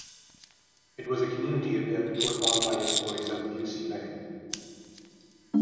It was a community event put on by employees of Busey Bank.